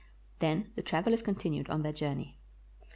Then the travelers continued on their journey.